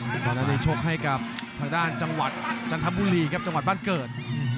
ตอนนั้นไปชกให้กับทางด้านจังหวัดจันทบุรีครับจังหวัดบ้านเกิด